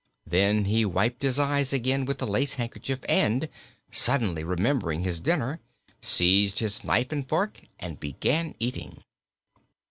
Then he wiped his eyes again with the lace handkerchief and, suddenly remembering his dinner, seized his knife and fork and began eating.